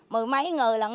mười mấy người lần